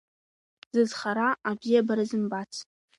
Зызхара абзиабара зымбац.